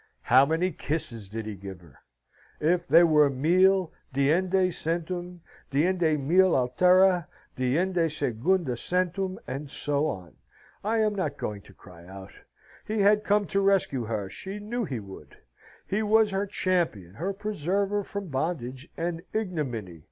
How many kisses did he give her? If they were mille, deinde centum, dein mille altera, dein secunda centum, and so on, I am not going to cry out. He had come to rescue her. She knew he would; he was her champion, her preserver from bondage and ignominy.